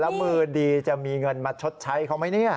แล้วมือดีจะมีเงินมาชดใช้เขาไหมเนี่ย